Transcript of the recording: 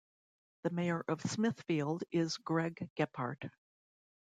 The mayor of Smithfield is Greg Gephart.